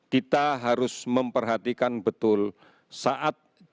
kita harus memperhatikan betul saat jam makan saat jam tidur saat jam tidur